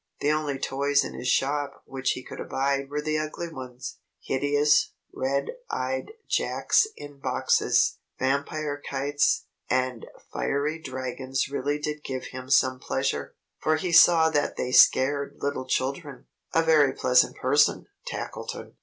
The only toys in his shop which he could abide were the ugly ones. Hideous, red eyed Jacks in Boxes, vampire kites, and fiery dragons really did give him some pleasure, for he saw that they scared little children. A very pleasant person, Tackleton!